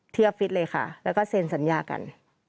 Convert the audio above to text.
ฟิตเลยค่ะแล้วก็เซ็นสัญญากัน